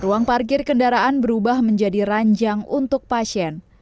ruang parkir kendaraan berubah menjadi ranjang untuk pasien